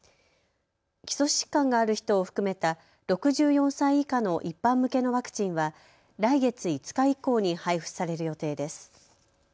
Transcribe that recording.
基礎疾患がある人を含めた６４歳以下の一般向けのワクチンは来月５日以降に配布される予定です。